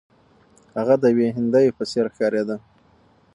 هغه د یوې هندوې په څیر ښکاریده.